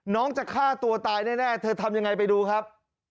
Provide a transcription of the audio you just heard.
จะฆ่าตัวตายแน่เธอทำยังไงไปดูครับ